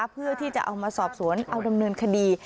เพื่อที่จะเอามาสอบสวนเอาดำเนินคดี